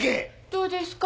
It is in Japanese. どうですか？